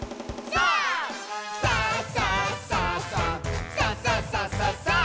さあ！さあ！」